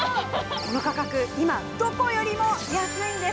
この価格今、どこよりも安いんです。